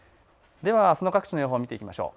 では、あすの各地の予報を見ていきましょう。